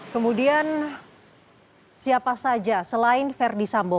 kemudian siapa saja selain verdi sambo